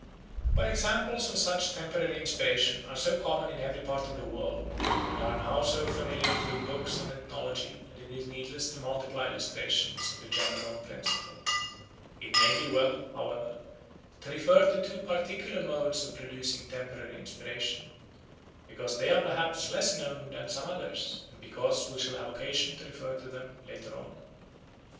But examples of such temporary inspiration are so common in every part of the world and are now so familiar through books on ethnology that it is needless to multiply illustrations of the general principle. It may be well, however, to refer to two particular modes of producing temporary inspiration, because they are perhaps less known than some others, and because we shall have occasion to refer to them later on.